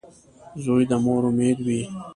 • زوی د مور امید وي.